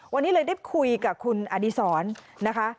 วันนี้เลยได้คุยกับคุณอดีศรนะคะ